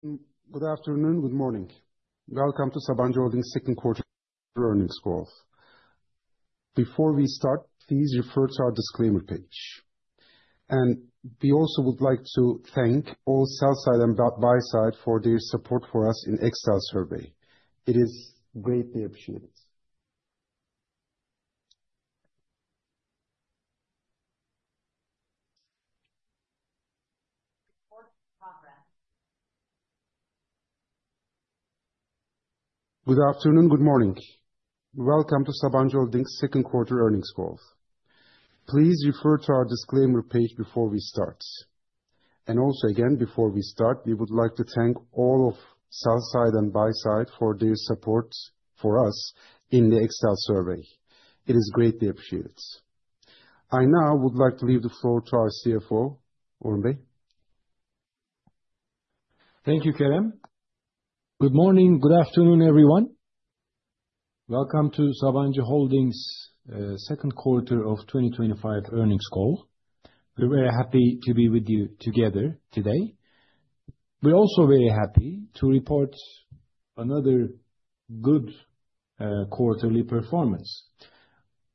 Good afternoon. Good morning. Welcome to Sabancı Holding's Second Quarter Earnings Call. Please refer to our disclaimer page before we start. We also would like to thank all sell-side and buy-side for their support for us in the Excel survey. It is greatly appreciated. I now would like to leave the floor to our CFO, Orhun Bey. Thank you, Kerem. Good morning, good afternoon, everyone. Welcome to Sabancı Holding's second quarter of 2025 earnings call. We're very happy to be with you together today. We're also very happy to report another good quarterly performance.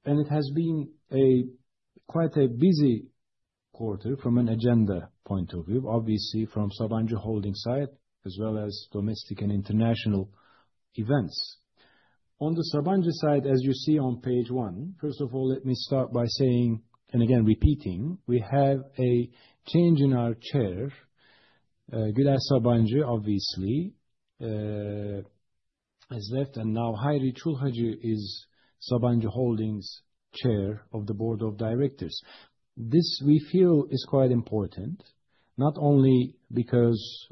It has been quite a busy quarter from an agenda point of view, obviously, from Sabancı Holding's side, as well as domestic and international events. On the Sabancı side, as you see on page one, first of all, let me start by saying, and again, repeating, we have a change in our Chair. Güler Sabancı obviously, has left, and now Hayri Çulhacı is Sabancı Holding's Chair of the Board of Directors. This, we feel, is quite important, not only because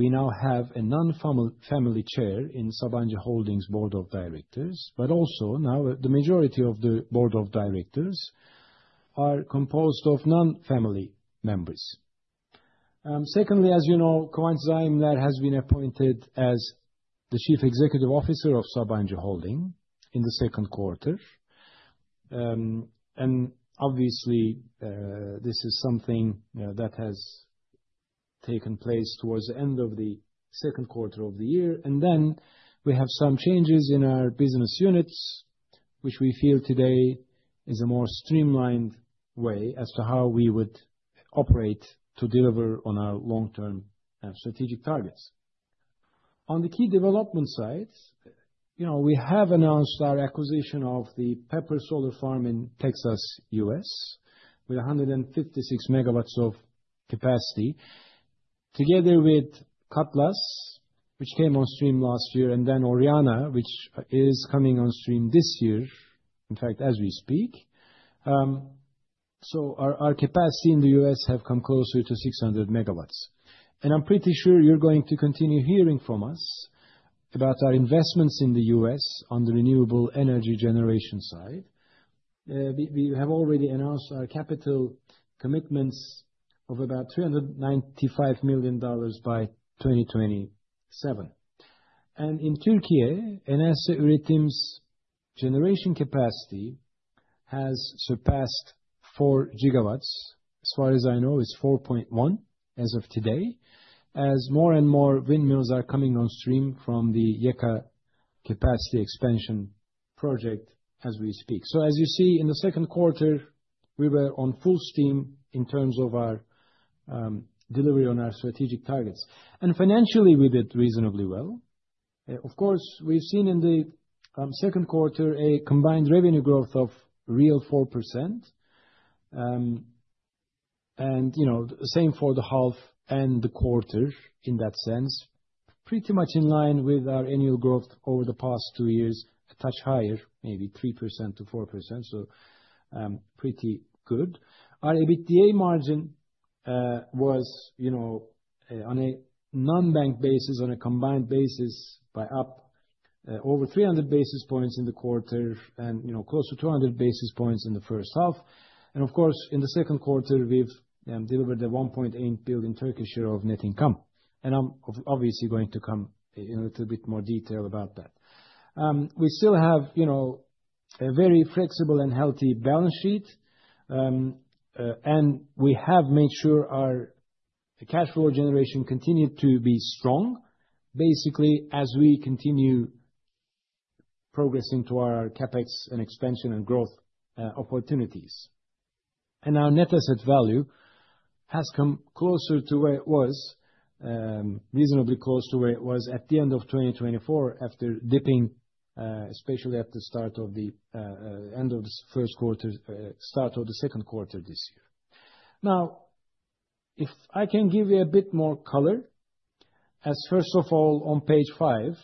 we now have a non-family Chair in Sabancı Holding's Board of Directors, but also now the majority of the Board of Directors are composed of non-family members. Secondly, as you know, Kıvanç Zaimler has been appointed as the Chief Executive Officer of Sabancı Holding in the second quarter. Obviously, this is something that has taken place towards the end of the second quarter of the year. We have some changes in our business units, which we feel today is a more streamlined way as to how we would operate to deliver on our long-term strategic targets. On the key development side, you know, we have announced our acquisition of the Pepper Solar Farm in Texas, U.S., with 156 MW of capacity, together with Cutlass, which came on stream last year, and then Oriana, which is coming on stream this year, in fact, as we speak. Our capacity in the U.S. has come closer to 600 MW. I'm pretty sure you're going to continue hearing from us about our investments in the U.S. on the renewable energy generation side. We have already announced our capital commitments of about $395 million by 2027. In Türkiye, Enerjisa Üretim's generation capacity has surpassed 4 GW. As far as I know, it's 4.1 as of today, as more and more windmills are coming on stream from the YEKA capacity expansion project as we speak. As you see, in the second quarter, we were on full steam in terms of our delivery on our strategic targets. Financially, we did reasonably well. Of course, we've seen in the second quarter a combined revenue growth of real 4%. The same for the half and the quarter in that sense, pretty much in line with our annual growth over the past two years, a touch higher, maybe 3% to 4%. Pretty good. Our EBITDA margin, you know, on a non-bank basis, on a combined basis, was up over 300 basis points in the quarter and, you know, close to 200 basis points in the first half. Of course, in the second quarter, we've delivered the 1.8 billion of net income. I'm obviously going to come in a little bit more detail about that. We still have a very flexible and healthy balance sheet, and we have made sure our cash flow generation continued to be strong, basically, as we continue progressing toward our CapEx and expansion and growth opportunities. Our net asset value has come closer to where it was, reasonably close to where it was at the end of 2024 after dipping, especially at the end of the first quarter, start of the second quarter this year. If I can give you a bit more color, first of all, on page five,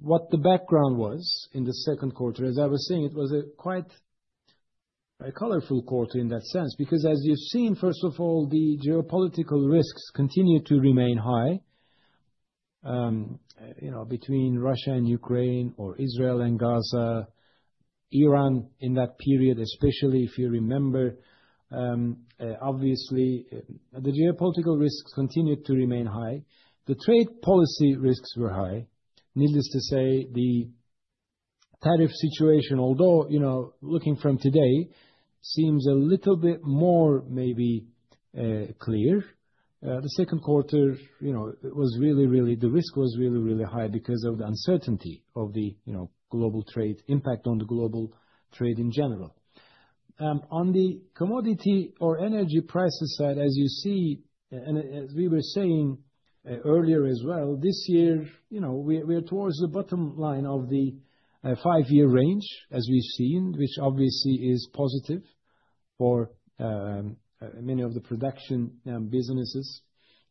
what the background was in the second quarter. As I was saying, it was quite a colorful quarter in that sense because, as you've seen, first of all, the geopolitical risks continue to remain high, you know, between Russia and Ukraine or Israel and Gaza, Iran in that period, especially if you remember, obviously, the geopolitical risks continued to remain high. The trade policy risks were high. Needless to say, the tariff situation, although, you know, looking from today, seems a little bit more maybe clear. The second quarter, you know, it was really, really, the risk was really, really high because of the uncertainty of the global trade impact on the global trade in general. On the commodity or energy prices side, as you see, and as we were saying earlier as well, this year, you know, we're towards the bottom line of the five-year range, as we've seen, which obviously is positive for many of the production businesses.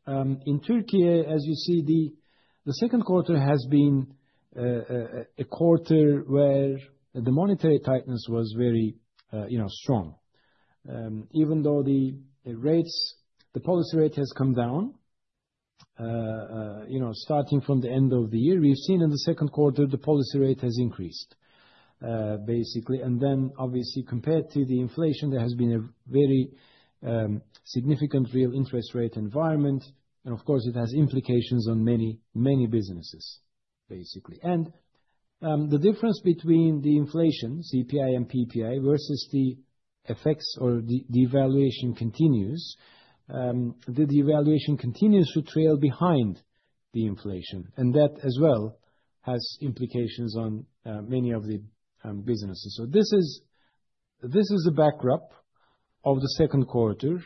In Türkiye, as you see, the second quarter has been a quarter where the monetary tightness was very strong. Even though the rates, the policy rate has come down, you know, starting from the end of the year, we've seen in the second quarter, the policy rate has increased, basically. Obviously, compared to the inflation, there has been a very significant real interest rate environment. It has implications on many, many businesses, basically. The difference between the inflation, CPI and PPI versus the CapEx or the devaluation continues, the devaluation continues to trail behind the inflation. That as well has implications on many of the businesses. This is a backdrop of the second quarter.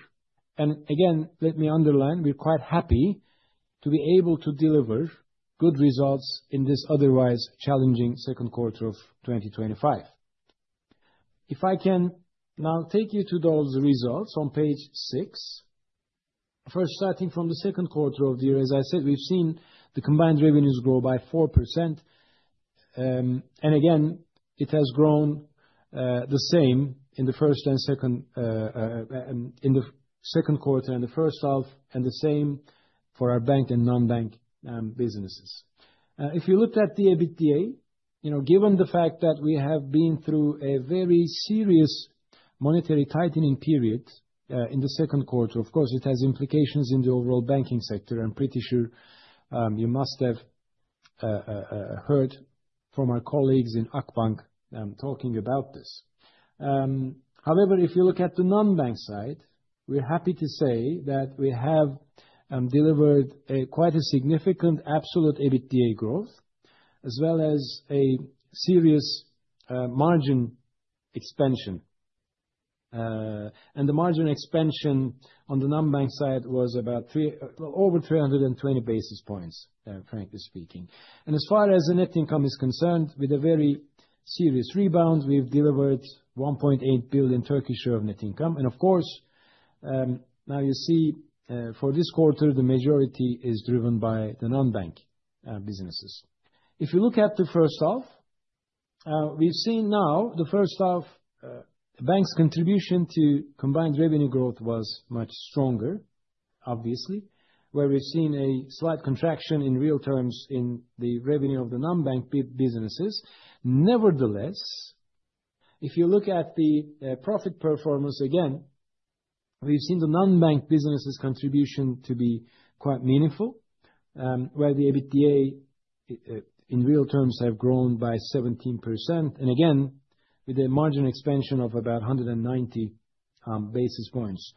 Again, let me underline, we're quite happy to be able to deliver good results in this otherwise challenging second quarter of 2025. If I can now take you to those results on page six. First, starting from the second quarter of the year, as I said, we've seen the combined revenues grow by 4%. It has grown the same in the first and second, in the second quarter and the first half, and the same for our bank and non-bank businesses. If you looked at the EBITDA, given the fact that we have been through a very serious monetary tightening period in the second quarter, of course, it has implications in the overall banking sector. I'm pretty sure you must have heard from our colleagues in Akbank talking about this. However, if you look at the non-bank side, we're happy to say that we have delivered quite a significant absolute EBITDA growth, as well as a serious margin expansion. The margin expansion on the non-bank side was about over 320 basis points, frankly speaking. As far as the net income is concerned, with a very serious rebound, we've delivered 1.8 billion of net income. Of course, now you see, for this quarter, the majority is driven by the non-bank businesses. If you look at the first half, we've seen now the first half, banks' contribution to combined revenue growth was much stronger, obviously, where we've seen a slight contraction in real terms in the revenue of the non-bank businesses. Nevertheless, if you look at the profit performance again, we've seen the non-bank businesses' contribution to be quite meaningful, where the EBITDA in real terms have grown by 17%. Again, with a margin expansion of about 190 basis points.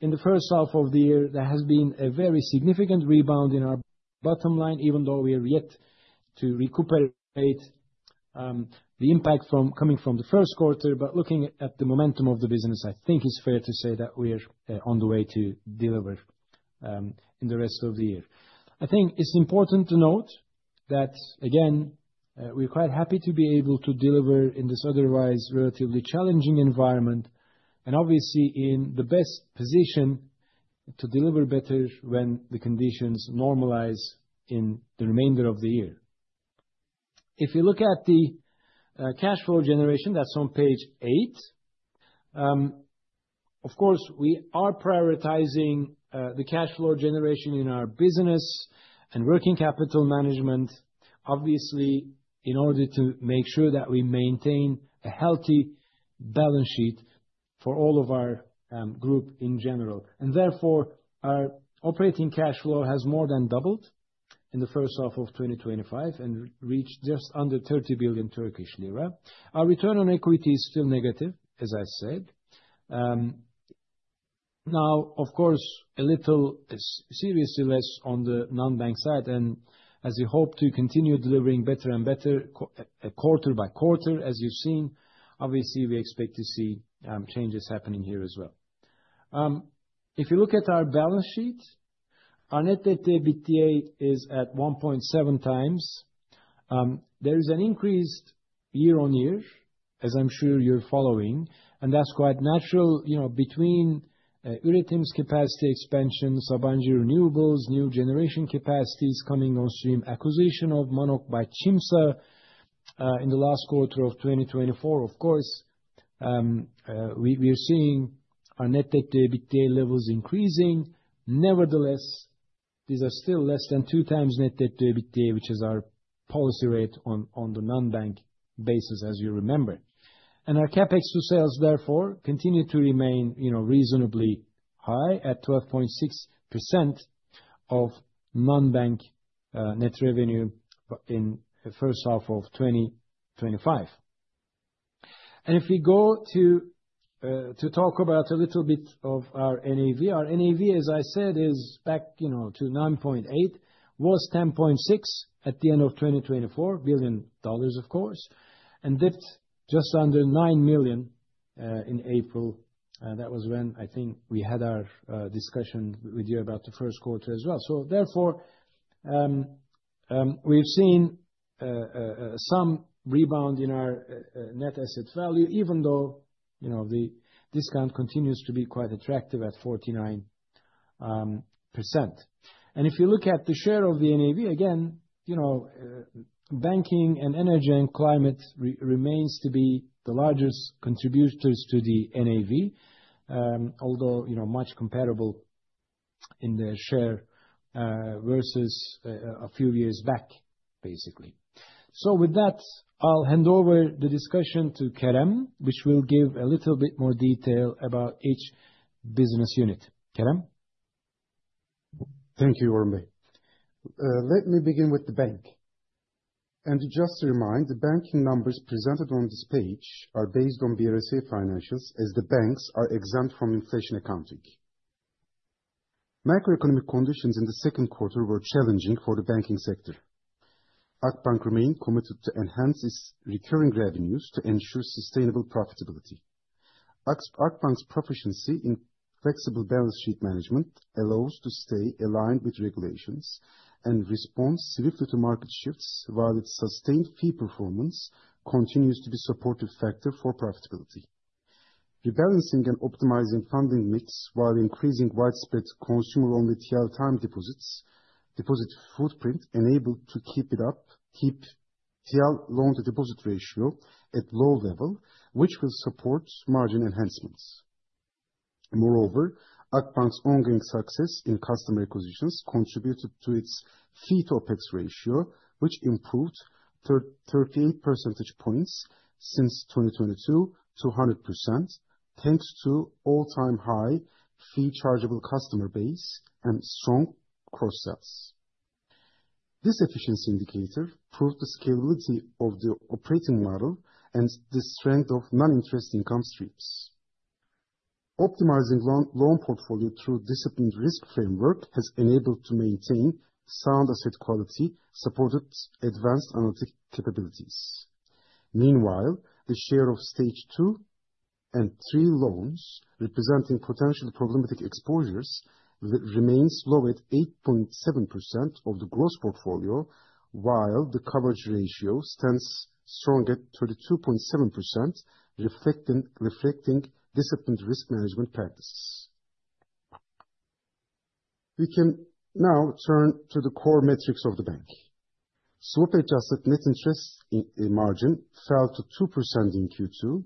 In the first half of the year, there has been a very significant rebound in our bottom line, even though we are yet to recuperate the impact from coming from the first quarter. Looking at the momentum of the business, I think it's fair to say that we're on the way to deliver in the rest of the year. I think it's important to note that we're quite happy to be able to deliver in this otherwise relatively challenging environment and obviously in the best position to deliver better when the conditions normalize in the remainder of the year. If you look at the cash flow generation, that's on page eight. Of course, we are prioritizing the cash flow generation in our business and working capital management, obviously, in order to make sure that we maintain a healthy balance sheet for all of our group in general. Therefore, our operating cash flow has more than doubled in the first half of 2025 and reached just under 30 billion Turkish lira. Our return on equity is still negative, as I said. Now, of course, a little seriously less on the non-bank side. As we hope to continue delivering better and better quarter by quarter, as you've seen, obviously, we expect to see changes happening here as well. If you look at our balance sheet, our net debt to EBITDA is at 1.7x. There is an increase year on year, as I'm sure you're following. That's quite natural, you know, between Enerjisa Üretim's capacity expansion, Sabancı Renewables, new generation capacities coming on stream, acquisition of Mannok by Çimsa in the last quarter of 2024. Of course, we're seeing our net debt to EBITDA levels increasing. Nevertheless, these are still less than 2x net debt to EBITDA, which is our policy rate on the non-bank basis, as you remember. Our CapEx to sales, therefore, continue to remain, you know, reasonably high at 12.6% of non-bank net revenue in the first half of 2025. If we go to talk about a little bit of our NAV. Our NAV, as I said, is back, you know, to $9.8 billion, was $10.6 billion at the end of 2024, and dipped just under $9 billion in April. That was when I think we had our discussion with you about the first quarter as well. Therefore, we've seen some rebound in our net asset value, even though, you know, the discount continues to be quite attractive at 49%. If you look at the share of the NAV, again, you know, banking and energy and climate remains to be the largest contributors to the NAV, although, you know, much comparable in the share, versus a few years back, basically. With that, I'll hand over the discussion to Kerem, which will give a little bit more detail about each business unit. Kerem? Thank you, Orhun Bey. Let me begin with the bank. Just to remind, the banking numbers presented on this page are based on BRSA financials as the banks are exempt from inflation accounting. Macroeconomic conditions in the second quarter were challenging for the banking sector. Akbank remained committed to enhancing its recurring revenues to ensure sustainable profitability. Akbank's proficiency in flexible balance sheet management allows it to stay aligned with regulations and respond swiftly to market shifts, while its sustained fee performance continues to be a supportive factor for profitability. Rebalancing and optimizing funding mix while increasing widespread consumer-only TL time deposits, deposit footprint enabled to keep it up, keep TL loan-to-deposit ratio at low level, which will support margin enhancements. Moreover, Akbank's ongoing success in customer acquisitions contributed to its fee-to-OpEx ratio, which improved 13 percentage points since 2022 to 100%, thanks to an all-time high fee-chargeable customer base and strong cross-sales. This efficiency indicator proved the scalability of the operating model and the strength of non-interest income streams. Optimizing loan portfolio through a disciplined risk framework has enabled it to maintain sound asset quality supported by advanced analytic capabilities. Meanwhile, the share of stage two and three loans representing potentially problematic exposures remains low at 8.7% of the gross portfolio, while the coverage ratio stands strong at 32.7%, reflecting disciplined risk management practices. We can now turn to the core metrics of the bank. SWOT-adjusted net interest margin fell to 2% in Q2,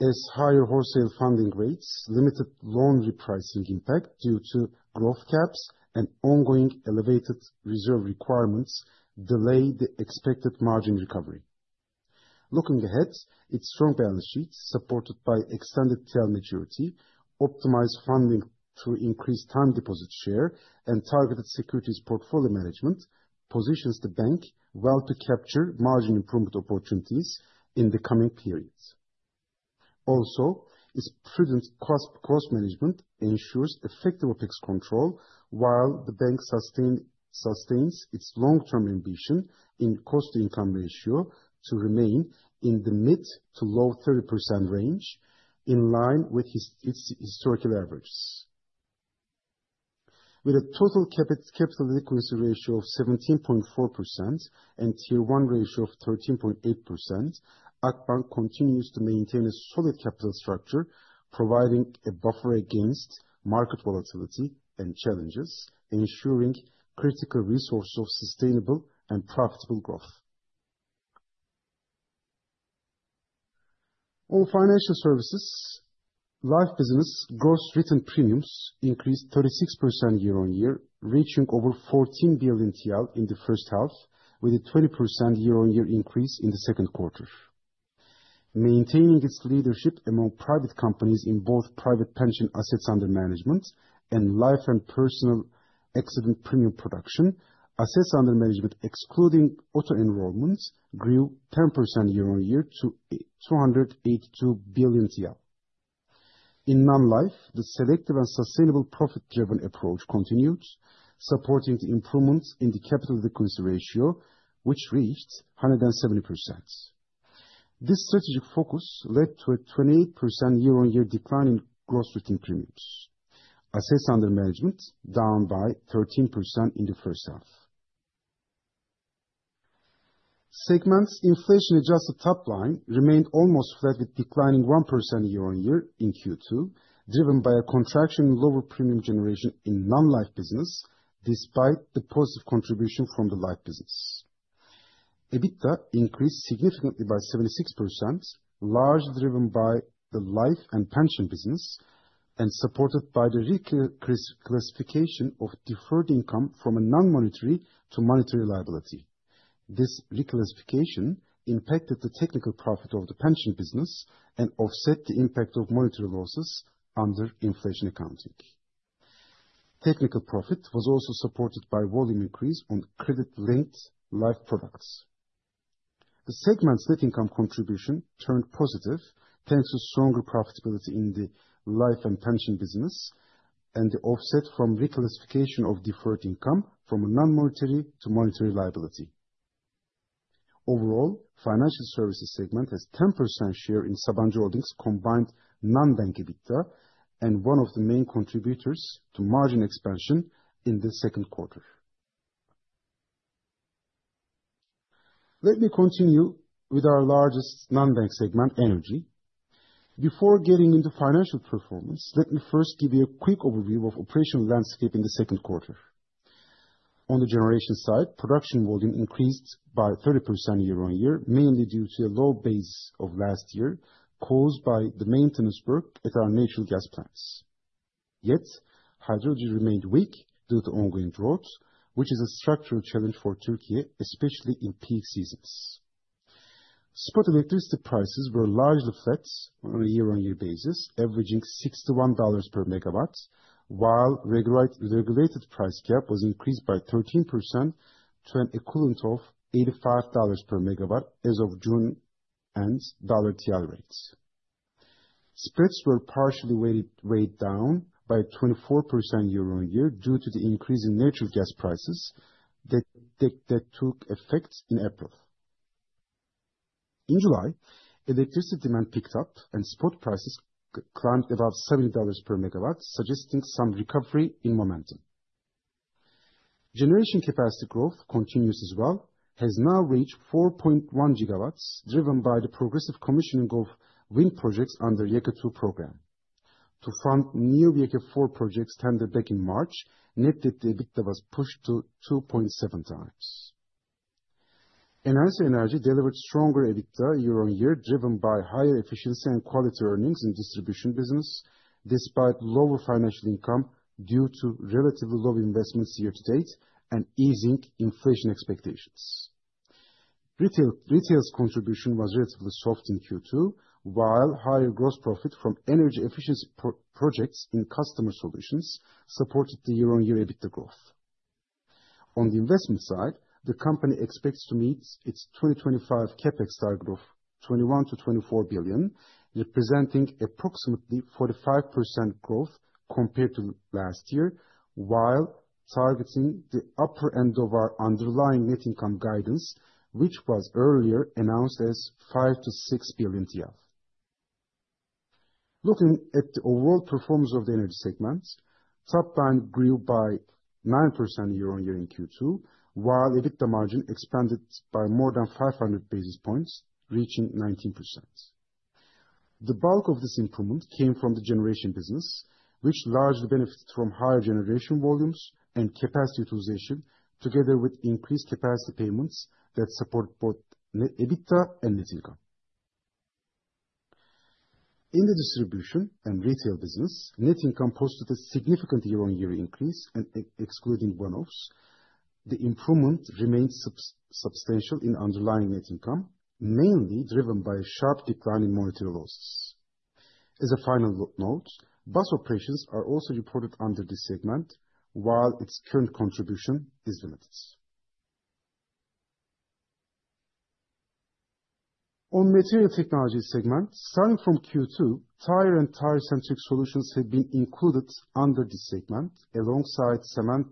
as higher wholesale funding rates limited loan repricing impact due to rate caps and ongoing elevated reserve requirements delayed the expected margin recovery. Looking ahead, its strong balance sheet, supported by extended TL maturity, optimized funding through increased time deposit share, and targeted securities portfolio management positions the bank well to capture margin improvement opportunities in the coming periods. Also, its prudent cost management ensures effective OpEx control while the bank sustains its long-term ambition in cost-to-income ratio to remain in the mid to low 30% range, in line with its historical averages. With a total capital equity ratio of 17.4% and Tier 1 ratio of 13.8%, Akbank continues to maintain a solid capital structure, providing a buffer against market volatility and challenges, and ensuring critical resources of sustainable and profitable growth. On financial services, life business gross written premiums increased 36% year on year, reaching over 14 billion TL in the first half, with a 20% year-on-year increase in the second quarter. Maintaining its leadership among private companies in both private pension assets under management and life and personal accident premium production, assets under management, excluding auto enrollments, grew 10% year on year to 282 billion TL. In non-life, the selective and sustainable profit-driven approach continued, supporting the improvements in the capital equity ratio, which reached 170%. This strategic focus led to a 28% year-on-year decline in gross written premiums. Assets under management down by 13% in the first half. Segments, inflation-adjusted top line remained almost flat, with declining 1% year on year in Q2, driven by a contraction in lower premium generation in non-life business, despite the positive contribution from the life business. EBITDA increased significantly by 76%, largely driven by the life and pension business and supported by the reclassification of deferred income from a non-monetary to monetary liability. This reclassification impacted the technical profit of the pension business and offset the impact of monetary losses under inflation accounting. Technical profit was also supported by volume increase on credit-linked life products. The segment's net income contribution turned positive, thanks to stronger profitability in the life and pension business and the offset from reclassification of deferred income from a non-monetary to monetary liability. Overall, financial services segment has a 10% share in Sabancı Holding's combined non-bank EBITDA and one of the main contributors to margin expansion in the second quarter. Let me continue with our largest non-bank segment, energy. Before getting into financial performance, let me first give you a quick overview of the operational landscape in the second quarter. On the generation side, production volume increased by 30% year on year, mainly due to a low base of last year caused by the maintenance work at our natural gas plants. Yet, hydrologies remained weak due to ongoing droughts, which is a structural challenge for Türkiye, especially in peak seasons. Spot electricity prices were largely flat on a year-on-year basis, averaging $61 per megawatt, while the regulated price cap was increased by 13% to an equivalent of $85 per megawatt as of June and dollar TL rates. Spreads were partially weighed down by 24% year on year due to the increase in natural gas prices that took effect in April. In July, electricity demand picked up and spot prices climbed above $70 per megawatt, suggesting some recovery in momentum. Generation capacity growth continues as well, has now reached 4.1 GW, driven by the progressive commissioning of wind projects under the YEKA-2 program. To fund new YEKA-4 projects tendered back in March, net debt to EBITDA was pushed to 2.7x. Energy delivered stronger EBITDA year on year, driven by higher efficiency and quality earnings in the distribution business, despite lower financial income due to relatively low investments year to date and easing inflation expectations. Retail's contribution was relatively soft in Q2, while higher gross profit from energy efficiency projects in customer solutions supported the year-on-year EBITDA growth. On the investment side, the company expects to meet its 2025 CapEx target of TRY `21 billion to 24 billion, representing approximately 45% growth compared to last year, while targeting the upper end of our underlying net income guidance, which was earlier announced as 5 billion to 6 billion TL. Looking at the overall performance of the energy segment, top line grew by 9% year on year in Q2, while EBITDA margin expanded by more than 500 basis points, reaching 19%. The bulk of this improvement came from the generation business, which largely benefited from higher generation volumes and capacity utilization, together with increased capacity payments that support both net EBITDA and net income. In the distribution and retail business, net income posted a significant year-on-year increase, and excluding one-offs, the improvement remains substantial in underlying net income, mainly driven by a sharp decline in monetary losses. As a final note, bus operations are also reported under this segment, while its current contribution is limited. On the material technology segment, starting from Q2, tire and tire-centric solutions have been included under this segment, alongside cement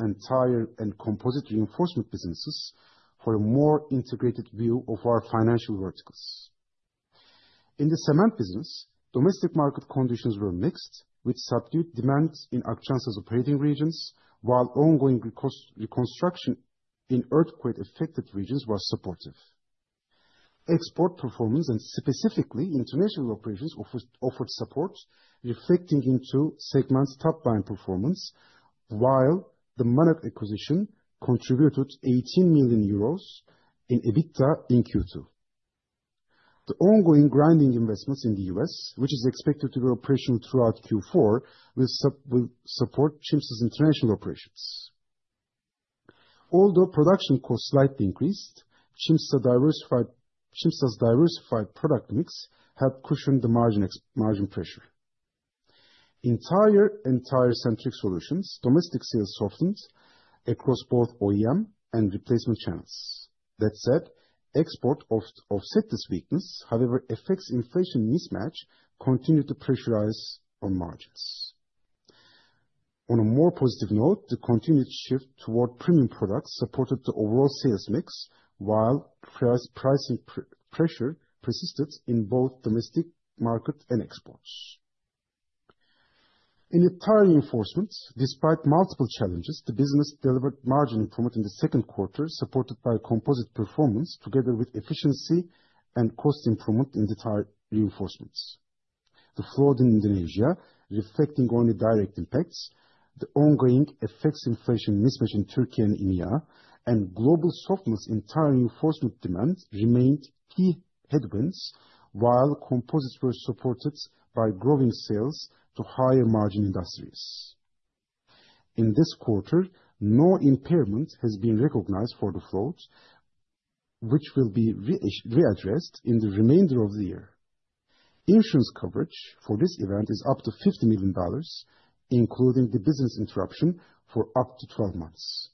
and tire and composite reinforcement businesses for a more integrated view of our financial verticals. In the cement business, domestic market conditions were mixed, with subdued demand in Çimsa's operating regions, while ongoing reconstruction in earthquake-affected regions was supportive. Export performance and specifically international operations offered support, reflecting into segment's top-line performance, while the Mannok acquisition contributed 18 million euros in EBITDA in Q2. The ongoing grinding investments in the U.S., which is expected to be operational throughout Q4, will support Çimsa's international operations. Although production costs slightly increased, Çimsa's diversified product mix helped cushion the margin pressure. In tire and tire-centric solutions, domestic sales softened across both OEM and replacement channels. That said, exports offset this weakness; however, effects inflation mismatch continue to pressurize on margins. On a more positive note, the continued shift toward premium products supported the overall sales mix, while pricing pressure persisted in both domestic market and exports. In the tire reinforcements, despite multiple challenges, the business delivered margin improvement in the second quarter, supported by composite performance, together with efficiency and cost improvement in the tire reinforcements. The flood in Indonesia, reflecting on the direct impacts, the ongoing effects inflation mismatch in Türkiye and India, and global softness in tire reinforcement demand remained key headwinds, while composites were supported by growing sales to higher margin industries. In this quarter, no impairment has been recognized for the flood, which will be readdressed in the remainder of the year. Insurance coverage for this event is up to $50 million, including the business interruption for up to 12 months.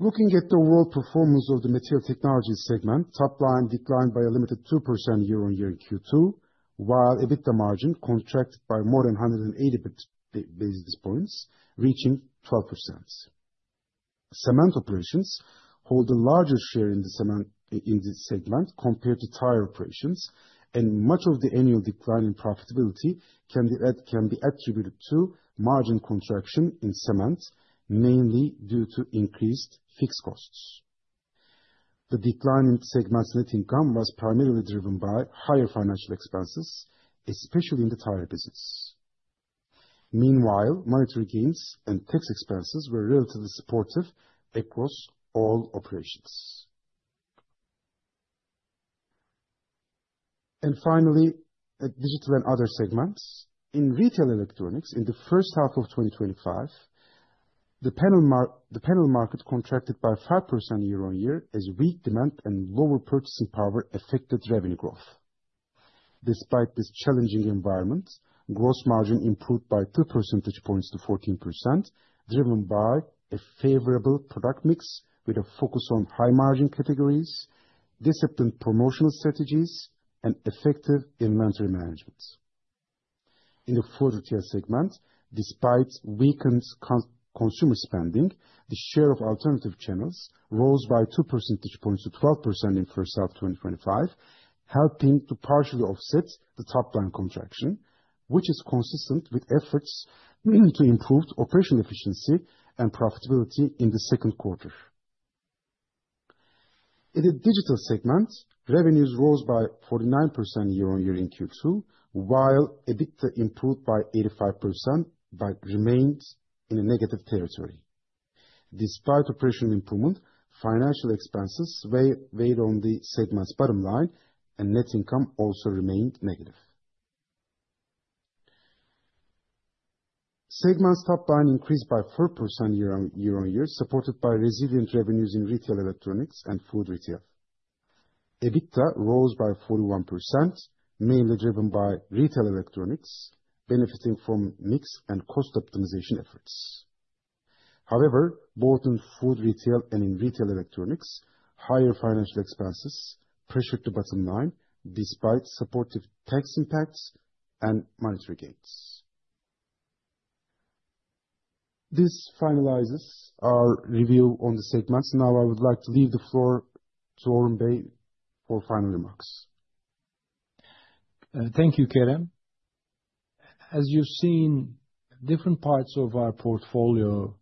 Looking at the overall performance of the material technology segment, top-line declined by a limited 2% year on year in Q2, while EBITDA margin contracted by more than 180 basis points, reaching 12%. Cement operations hold a larger share in the cement in this segment compared to tire operations, and much of the annual decline in profitability can be attributed to margin contraction in cement, mainly due to increased fixed costs. The decline in segments' net income was primarily driven by higher financial expenses, especially in the tire business. Meanwhile, monetary gains and tax expenses were relatively supportive across all operations. Finally, digital and other segments. In retail electronics in the first half of 2025, the panel market contracted by 5% year on year as weak demand and lower purchasing power affected revenue growth. Despite this challenging environment, gross margin improved by 2 percentage points to 14%, driven by a favorable product mix with a focus on high margin categories, disciplined promotional strategies, and effective inventory management. In the food material segment, despite weakened consumer spending, the share of alternative channels rose by 2 percentage points to 12% in the first half of 2025, helping to partially offset the top-line contraction, which is consistent with efforts to improve operational efficiency and profitability in the second quarter. In the digital segment, revenues rose by 49% year on year in Q2, while EBITDA improved by 85% but remained in negative territory. Despite operational improvement, financial expenses weighed on the segment's bottom line, and net income also remained negative. Segment's top-line increased by 4% year on year, supported by resilient revenues in retail electronics and food retail. EBITDA rose by 41%, mainly driven by retail electronics benefiting from mix and cost optimization efforts. However, both in food retail and in retail electronics, higher financial expenses pressured the bottom line, despite supportive tax impacts and monetary gains. This finalizes our review on the segments. Now, I would like to leave the floor to Orhun Bey for final remarks. Thank you, Kerem. As you've seen, different parts of our portfolio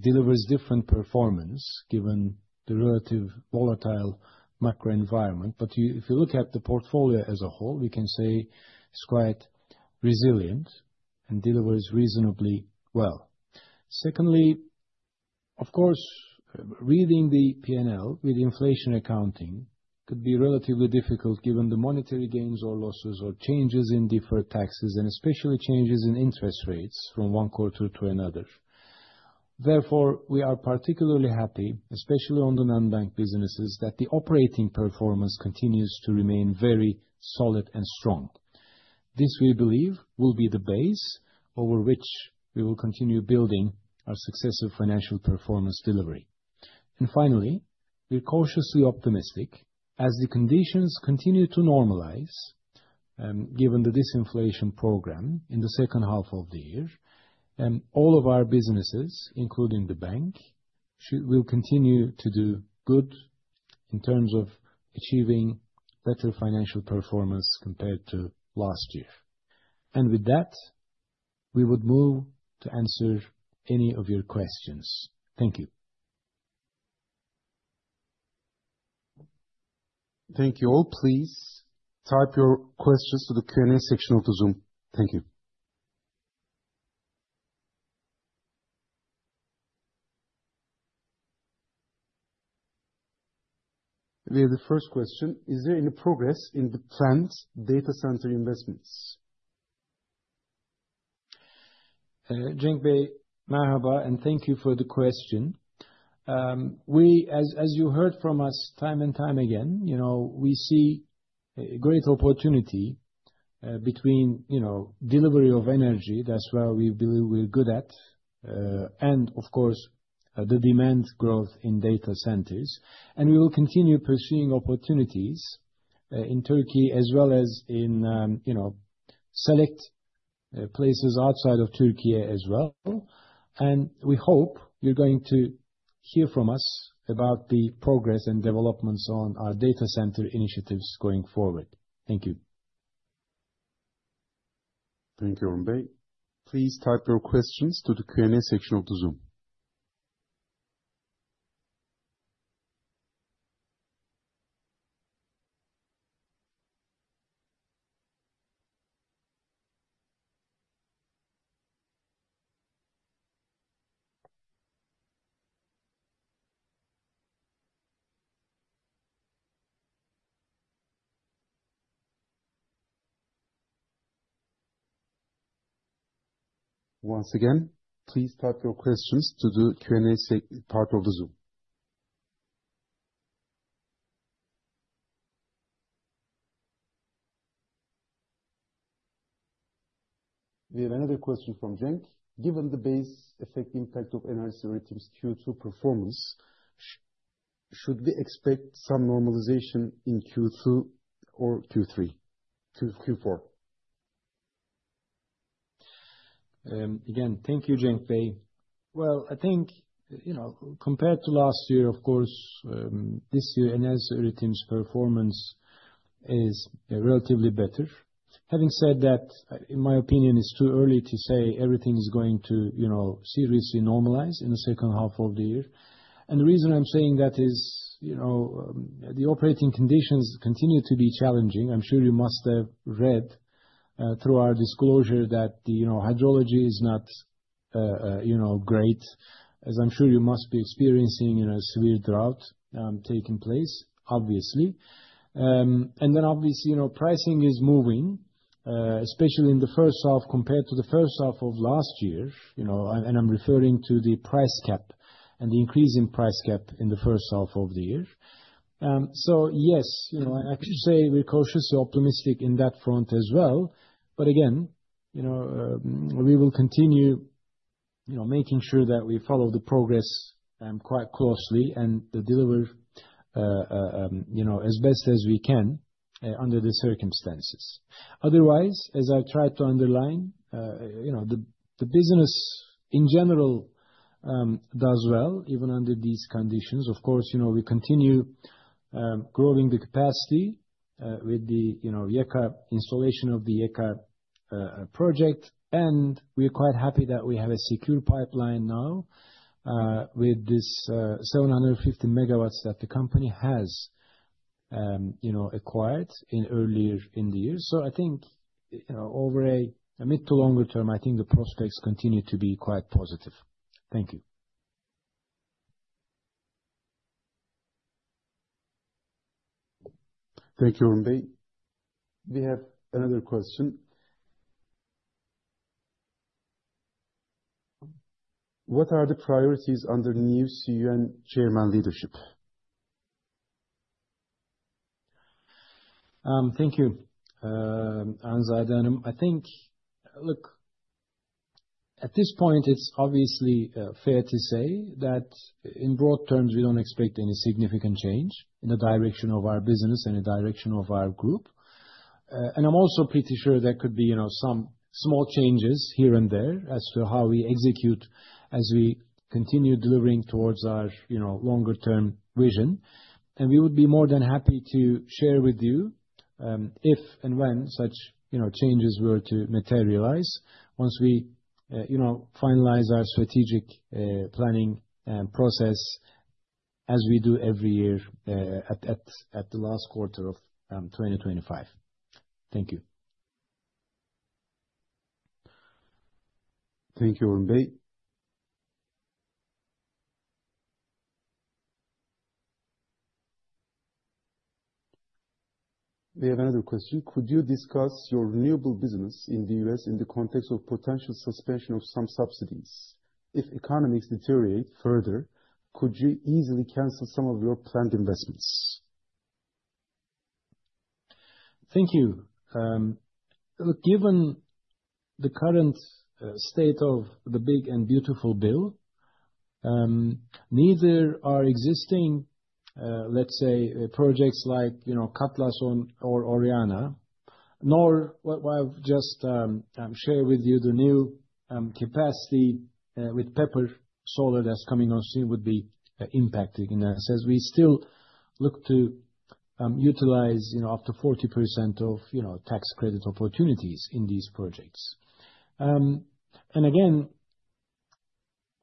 deliver different performance given the relatively volatile macro-economic environment. If you look at the portfolio as a whole, we can say it's quite resilient and delivers reasonably well. Secondly, of course, reading the P&L with inflation accounting could be relatively difficult given the monetary gains or losses or changes in deferred taxes and especially changes in interest rates from one quarter to another. Therefore, we are particularly happy, especially on the non-bank businesses, that the operating performance continues to remain very solid and strong. This, we believe, will be the base over which we will continue building our successive financial performance delivery. Finally, we're cautiously optimistic as the conditions continue to normalize, given the disinflation program in the second half of the year. All of our businesses, including the bank, will continue to do good in terms of achieving better financial performance compared to last year. With that, we would move to answer any of your questions. Thank you. Thank you all. Please type your questions to the Q&A section of the Zoom. Thank you. We have the first question. Is there any progress in the plant data center investments? Cenk Bey, merhaba, and thank you for the question. As you heard from us time and time again, you know, we see a great opportunity between delivery of energy. That's where we believe we're good at. Of course, the demand growth in data centers. We will continue pursuing opportunities in Türkiye as well as in select places outside of Türkiye as well. We hope you're going to hear from us about the progress and developments on our data center initiatives going forward. Thank you. Thank you, Orhun Bey. Please type your questions to the Q&A section of the Zoom. Once again, please type your questions to the Q&A part of the Zoom. We have another question from Cenk. Given the base effect impact of NRC rating's Q2 performance, should we expect some normalization in Q2 or Q3 to Q4? Thank you, Cenk Bey. I think, you know, compared to last year, of course, this year, Energy's performance is relatively better. Having said that, in my opinion, it's too early to say everything is going to, you know, seriously normalize in the second half of the year. The reason I'm saying that is, you know, the operating conditions continue to be challenging. I'm sure you must have read, through our disclosure, that the, you know, hydrology is not, you know, great, as I'm sure you must be experiencing, you know, severe drought taking place, obviously. Obviously, you know, pricing is moving, especially in the first half compared to the first half of last year, you know, and I'm referring to the price cap and the increase in price cap in the first half of the year. Yes, you know, I can say we're cautiously optimistic in that front as well. Again, you know, we will continue, you know, making sure that we follow the progress quite closely and deliver, you know, as best as we can, under the circumstances. Otherwise, as I tried to underline, you know, the business in general does well, even under these conditions. Of course, you know, we continue growing the capacity with the, you know, YEKA installation of the YEKA project. We're quite happy that we have a secure pipeline now, with this 750 megawatts that the company has, you know, acquired earlier in the year. I think, you know, over a mid to longer term, I think the prospects continue to be quite positive. Thank you. Thank you, Orhun Bey. We have another question. What are the priorities under the new Chair of the Board leadership? Thank you, Anzadeh. At this point, it's obviously fair to say that in broad terms, we don't expect any significant change in the direction of our business and the direction of our group. I'm also pretty sure there could be some small changes here and there as to how we execute as we continue delivering towards our longer-term vision. We would be more than happy to share with you, if and when such changes were to materialize once we finalize our strategic planning process, as we do every year, at the last quarter of 2025. Thank you. Thank you, Orhun Bey. We have another question. Could you discuss your renewable business in the U.S. in the context of potential suspension of some subsidies? If economies deteriorate further, could you easily cancel some of your planned investments? Thank you. Given the current state of the big and beautiful bill, neither existing projects like, you know, Cutlass or Oriana, nor what I've just shared with you, the new capacity with Pepper Solar that's coming on soon would be impacting us as we still look to utilize up to 40% of tax credit opportunities in these projects. Again,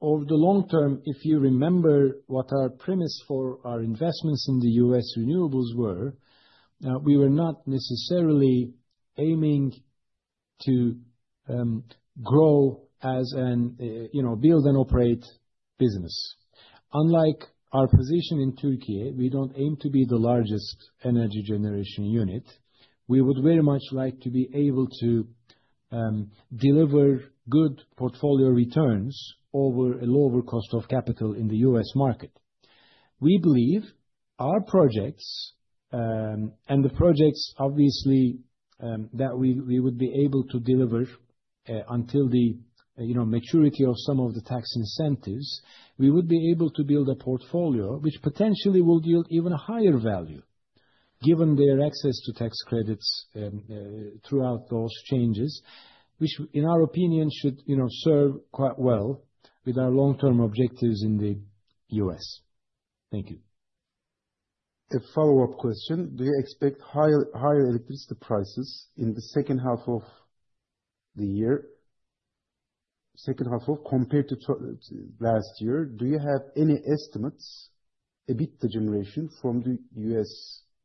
over the long term, if you remember what our premise for our investments in the U.S. renewables were, we were not necessarily aiming to grow as a, you know, build and operate business. Unlike our position in Türkiye, we don't aim to be the largest energy generation unit. We would very much like to be able to deliver good portfolio returns over a lower cost of capital in the U.S. market. We believe our projects, and the projects obviously that we would be able to deliver until the maturity of some of the tax incentives, we would be able to build a portfolio which potentially will yield even a higher value given their access to tax credits throughout those changes, which in our opinion should serve quite well with our long-term objectives in the U.S. Thank you. A follow-up question. Do you expect higher electricity prices in the second half of the year, second half compared to last year? Do you have any estimates of EBITDA generation from the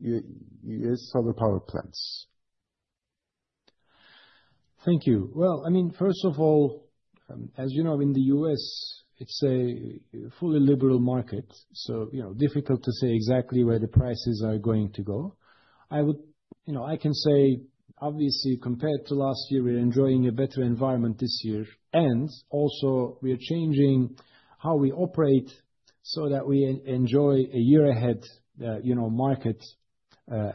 U.S. solar power plants? Thank you. First of all, as you know, in the U.S., it's a fully liberal market. It's difficult to say exactly where the prices are going to go. I can say, obviously, compared to last year, we're enjoying a better environment this year. Also, we are changing how we operate so that we enjoy a year ahead market,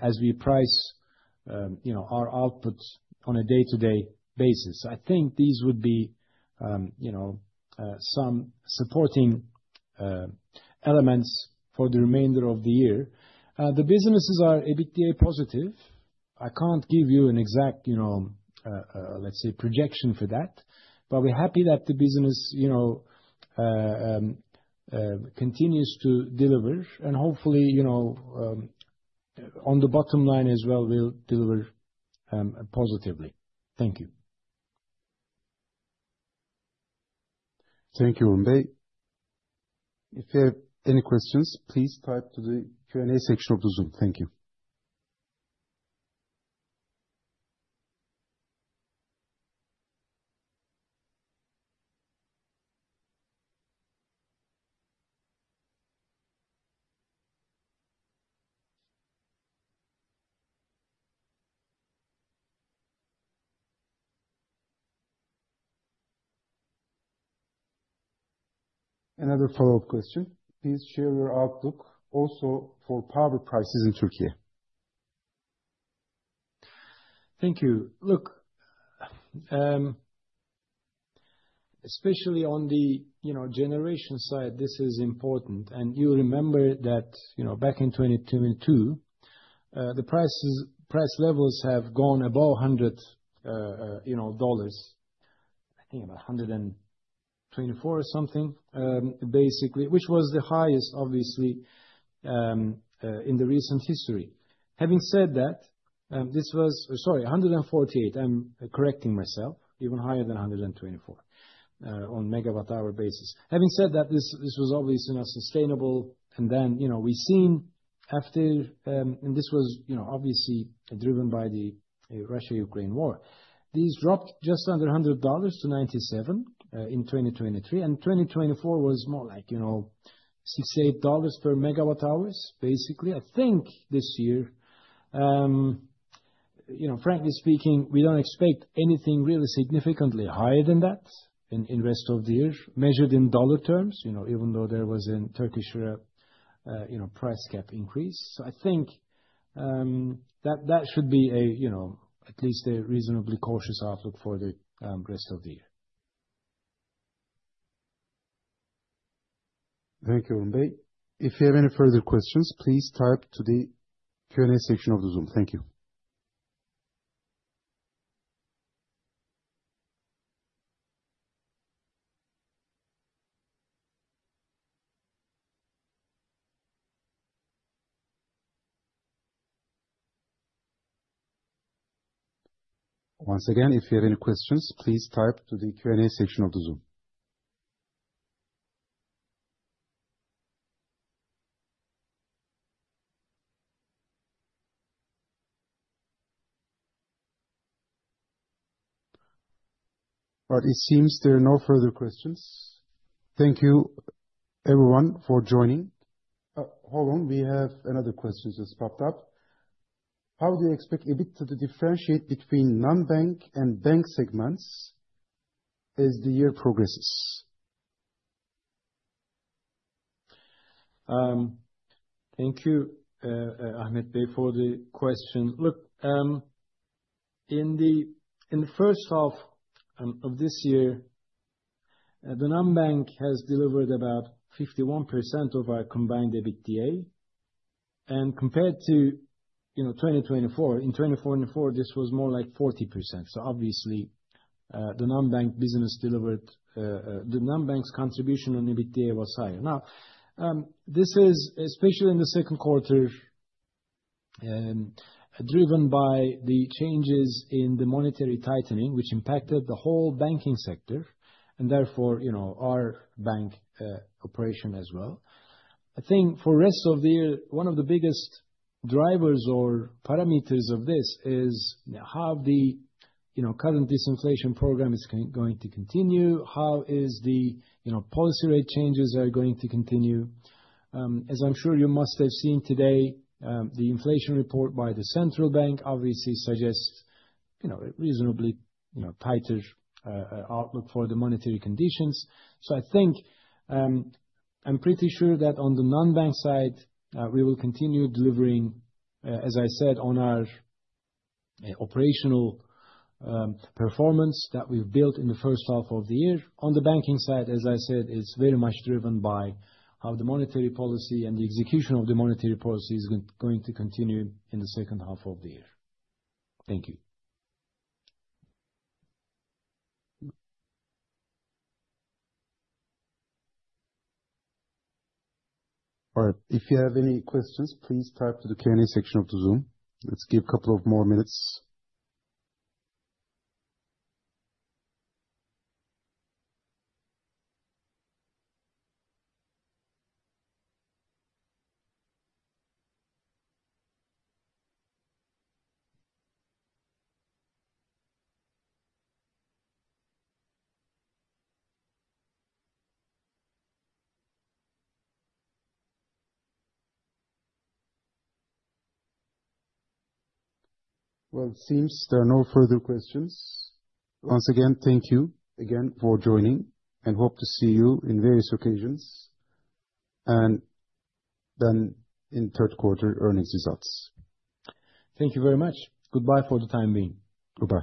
as we price our outputs on a day-to-day basis. I think these would be some supporting elements for the remainder of the year. The businesses are EBITDA positive. I can't give you an exact projection for that. We're happy that the business continues to deliver, and hopefully, on the bottom line as well, we'll deliver positively. Thank you. Thank you, Orhun Bey. If you have any questions, please type to the Q&A section of the Zoom. Thank you. Another follow-up question. Please share your outlook also for power prices in Türkiye. Thank you. Look, especially on the generation side, this is important. You remember that back in 2022, the price levels have gone above $100. I think about $124 or something, basically, which was the highest, obviously, in the recent history. Having said that, this was, sorry, $148. I'm correcting myself, even higher than $124, on a megawatt-hour basis. Having said that, this was obviously not sustainable. We have seen after, and this was obviously driven by the Russia-Ukraine war. These dropped just under $100 to $97 in 2023. 2024 was more like $68 per megawatt-hour, basically. I think this year, frankly speaking, we don't expect anything really significantly higher than that in the rest of the year measured in dollar terms, even though there was a Turkish price cap increase. I think that should be at least a reasonably cautious outlook for the rest of the year. Thank you, Orhun Bey. If you have any further questions, please type to the Q&A section of the Zoom. Thank you. Once again, if you have any questions, please type to the Q&A section of the Zoom. It seems there are no further questions. Thank you, everyone, for joining. Hold on. We have another question just popped up. How do you expect EBITDA to differentiate between non-bank and bank segments as the year progresses? Thank you, Ahmet Bey, for the question. In the first half of this year, the non-bank has delivered about 51% of our combined EBITDA. Compared to 2024, this was more like 40%. Obviously, the non-bank business delivered, the non-bank's contribution on EBITDA was higher. This is especially in the second quarter, driven by the changes in the monetary tightening, which impacted the whole banking sector, and therefore our bank operation as well. I think for the rest of the year, one of the biggest drivers or parameters of this is how the current disinflation program is going to continue, how the policy rate changes are going to continue. As I'm sure you must have seen today, the inflation report by the central bank obviously suggests a reasonably tighter outlook for the monetary conditions. I think, I'm pretty sure that on the non-bank side, we will continue delivering, as I said, on our operational performance that we've built in the first half of the year. On the banking side, as I said, it's very much driven by how the monetary policy and the execution of the monetary policy is going to continue in the second half of the year. Thank you. All right. If you have any questions, please type to the Q&A section of the Zoom. Let's give a couple of more minutes. It seems there are no further questions. Once again, thank you again for joining. I hope to see you in various occasions, and then in third quarter earnings results. Thank you very much. Goodbye for the time being. Goodbye.